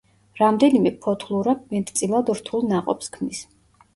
რამდენიმე ფოთლურა მეტწილად რთულ ნაყოფს ქმნის.